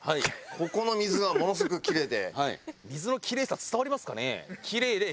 ここの水はものすごくキレイで。